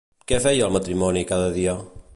Què feia el matrimoni cada dia?